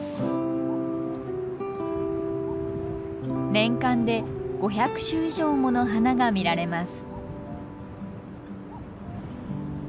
年間で５００種以上もの花が見られます。